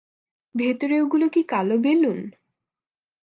ভেতরে ওগুলো কি কালো বেলুন?